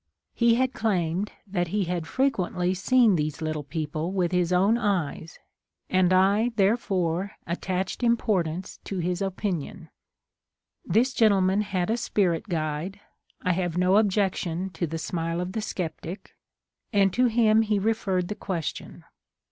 He had claimed that he had frequently seen these little people with his own eyes, and I, therefore, attached importance to his opin ion. This gentleman had a spirit guide (I have no objection to the smile of the sceptic) , and to him he referred the question.